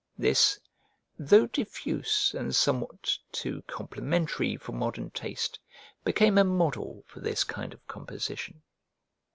This, though diffuse and somewhat too complimentary for modern taste, became a model for this kind of composition.